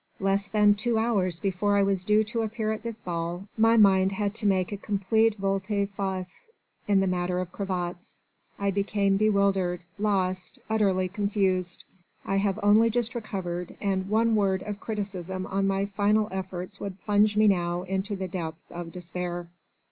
Less than two hours before I was due to appear at this ball my mind had to make a complete volte face in the matter of cravats. I became bewildered, lost, utterly confused. I have only just recovered, and one word of criticism on my final efforts would plunge me now into the depths of despair."